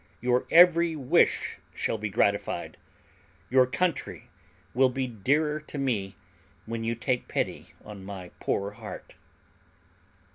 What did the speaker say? Your every wish shall be gratified! Your country will be dearer to me when you take pity on my poor heart.